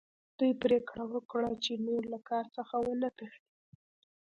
دوی پریکړه وکړه چې نور له کار څخه ونه تښتي